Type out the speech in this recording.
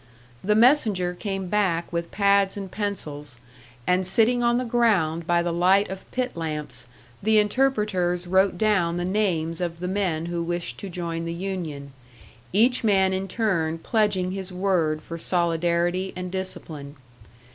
The messenger came back with pads and pencils, and sitting on the ground by the light of pit lamps, the interpreters wrote down the names of the men who wished to join the union, each man in turn pledging his word for solidarity and discipline.